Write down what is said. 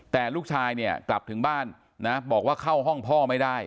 แต่ลูกชายเนี่ยกลับถึงบ้านนะบอกว่าเข้าห้องพ่อไม่ได้